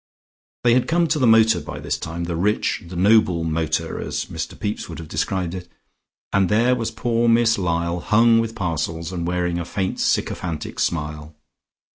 They had come to the motor by this time the rich, the noble motor, as Mr Pepys would have described it and there was poor Miss Lyall hung with parcels, and wearing a faint sycophantic smile.